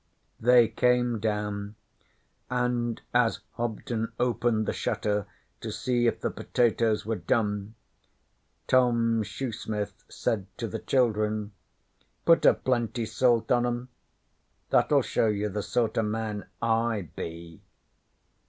They came down, and as Hobden opened the shutter to see if the potatoes were done Tom Shoesmith said to the children, 'Put a plenty salt on 'em. That'll show you the sort o' man I be.'